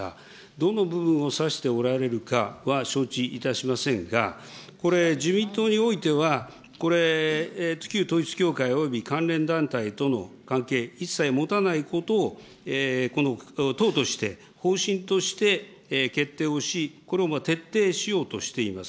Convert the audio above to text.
どの部分を指しておられるかは承知いたしませんが、これ、自民党においてはこれ、旧統一教会および関連団体との関係、一切持たないことをこの党として、方針として決定をし、これを徹底しようとしています。